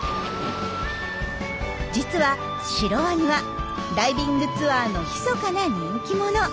実はシロワニはダイビングツアーのひそかな人気者。